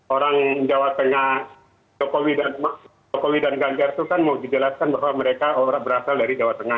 orang jawa tengah jokowi dan ganjar itu kan mau dijelaskan bahwa mereka berasal dari jawa tengah